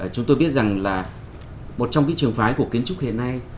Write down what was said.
chúng tôi biết rằng là một trong những trường phái của kiến trúc hiện nay